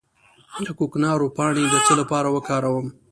د کوکنارو پاڼې د څه لپاره وکاروم؟